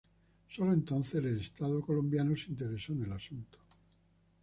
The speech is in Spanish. Solo entonces el estado colombiano se interesó en el asunto.